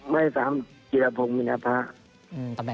ไม้๓จิตรภงมิณภาค